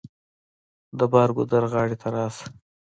د بر ګودر غاړې ته راشه.